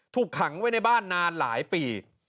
ถูกขังไว้ในบ้านนานหลายปี